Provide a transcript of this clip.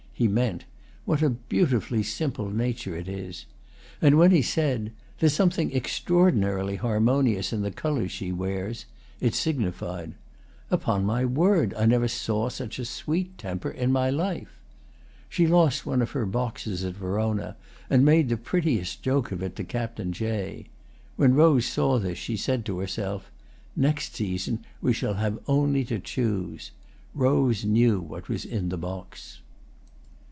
he meant: "What a beautifully simple nature it is!" and when he said: "There's something extraordinarily harmonious in the colours she wears," it signified: "Upon my word, I never saw such a sweet temper in my life!" She lost one of her boxes at Verona, and made the prettiest joke of it to Captain Jay. When Rose saw this she said to herself, "Next season we shall have only to choose." Rose knew what was in the box.